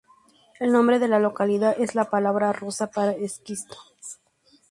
El nombre de la localidad es la palabra rusa para "esquisto".